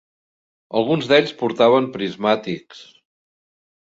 Alguns d'ells portaven prismàtics.